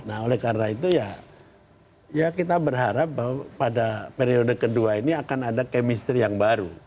nah oleh karena itu ya kita berharap bahwa pada periode kedua ini akan ada chemistry yang baru